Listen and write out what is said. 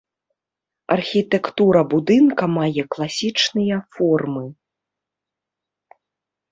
Архітэктура будынка мае класічныя формы.